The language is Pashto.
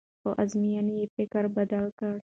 خو ازموینې یې فکر بدل کړ.